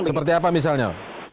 seperti apa misalnya